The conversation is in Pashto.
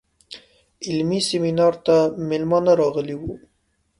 علمي سیمینار ته میلمانه راغلي وو.